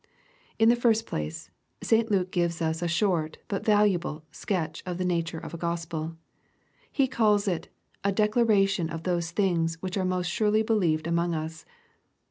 In the first place, St. Luke gives us a short, but vol* udbhy sketch of the nature of a Gospel. He calls it, "a declaration of those things which are most surely believed among us.''